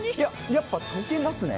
やっぱり溶けますね。